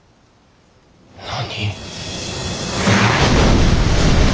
何？